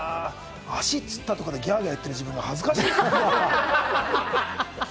足つったとかでギャーギャー言ってる自分が恥ずかしい。